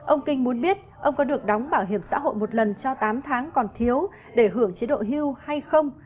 ông kinh muốn biết ông có được đóng bảo hiểm xã hội một lần cho tám tháng còn thiếu để hưởng chế độ hưu hay không